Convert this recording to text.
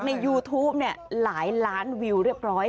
ในยูทูปเนี่ยหลายล้านวิวเรียบร้อย